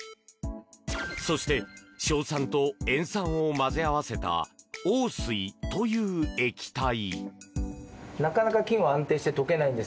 そして硝酸と塩酸を混ぜ合わせた王水という液体。